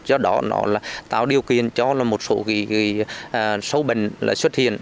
do đó nó tạo điều kiện cho một số sâu bệnh xuất hiện